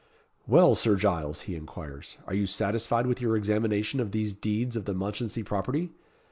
"Well, Sir Giles," he inquires, "are you satisfied with your examination of these deeds of the Mounchensey property?